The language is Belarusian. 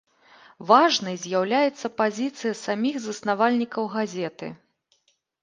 Важнай з'яўляецца пазіцыя саміх заснавальнікаў газеты.